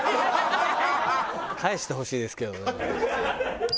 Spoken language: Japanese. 返してほしいですけど。